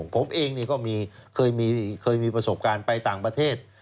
ผมเองก็เคยมีประสบการณ์ไปต่างประเทศ